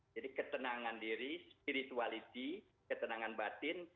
ketenangan diri spirituality ketenangan batin